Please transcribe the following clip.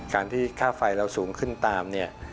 การที่ค่าไฟเราสูงขึ้นตาม